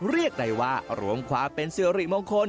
เรียกได้ว่ารวมความเป็นสิริมงคล